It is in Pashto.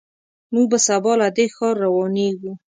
موږ به سبا له دې ښار روانېږو.